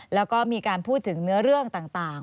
แล้วก็มีการพูดถึงเนื้อเรื่องต่าง